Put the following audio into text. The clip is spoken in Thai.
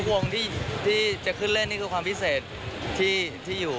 วงที่จะขึ้นเล่นนี่คือความพิเศษที่อยู่